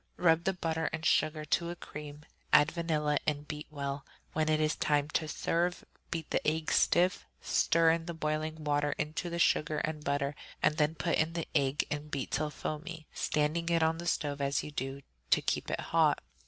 Rub the butter and sugar to a cream; add vanilla and beat well. When it is time to serve, beat the egg stiff, stir the boiling water into the sugar and butter, and then put in the egg and beat till foamy, standing it on the stove as you do so, to keep it hot.